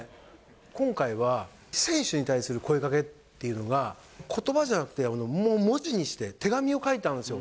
今回は、選手に対する声かけっていうのが、ことばじゃなくて、文字にして、手紙を書いたんですよ。